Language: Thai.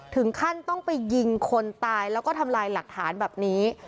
ถึงขั้นต้องไปยิงคนตายแล้วก็ทำลายหลักฐานแบบนี้